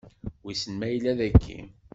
Wissen ma yella dagi?